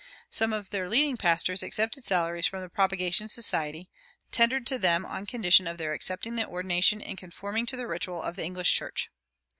Some of their leading pastors accepted salaries from the Propagation Society, tendered to them on condition of their accepting the ordination and conforming to the ritual of the English church.